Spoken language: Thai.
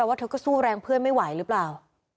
ว่าเธอก็สู้แรงเพื่อนไม่ไหวหรือเปล่า